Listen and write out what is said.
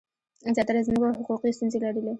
زیاتره ځمکو حقوقي ستونزې لرلې.